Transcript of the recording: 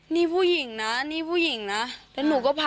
นี่ผู้หญิงนะนี่ผู้หญิงนะ